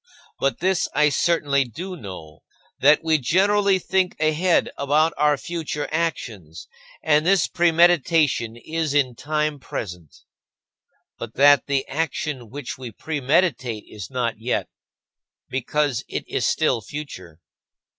But this I certainly do know: that we generally think ahead about our future actions, and this premeditation is in time present; but that the action which we premeditate is not yet, because it is still future.